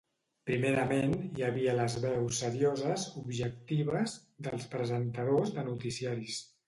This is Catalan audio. Primerament, hi havia les veus serioses, "objectives", dels presentadors de noticiaris.